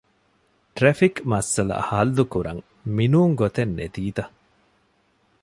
ޓްރެފިކް މައްސަލަ ހައްލުކުރަން މި ނޫން ގޮތެއް ނެތީތަ؟